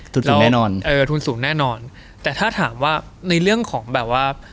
เราแน่นอนเออทุนสูงแน่นอนแต่ถ้าถามว่าในเรื่องของแบบว่า